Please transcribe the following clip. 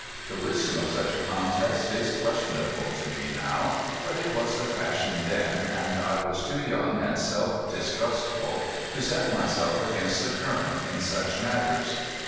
The wisdom of such a contest is questionable to me now, but it was the fashion then, and I was too young and self distrustful to set myself against the current in such matters.